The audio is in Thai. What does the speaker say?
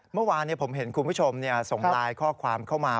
เมื่อวานผมเห็นคุณผู้ชมส่งไลน์ข้อความเข้ามา